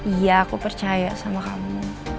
iya aku percaya sama kamu